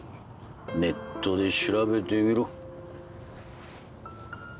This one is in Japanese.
ネットで調べてみろ。